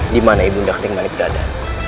dimana ibu indah ketinggalan itu ada